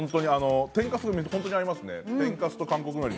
天かすとホントに合いますね。